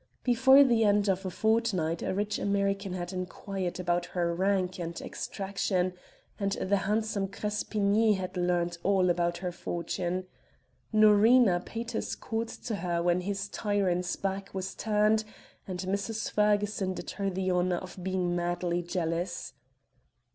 Before the end of a fortnight a rich American had enquired about her rank and extraction, and the handsome Crespigny had learnt all about her fortune. Norina paid his court to her when his tyrant's back was turned and Mrs. Ferguson did her the honor of being madly jealous.